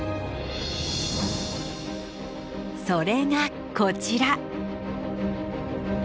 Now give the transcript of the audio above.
それがこちら。